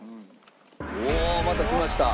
おおまたきました。